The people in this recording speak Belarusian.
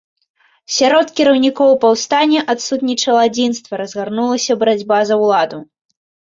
Сярод кіраўнікоў паўстання адсутнічала адзінства, разгарнулася барацьба за ўладу.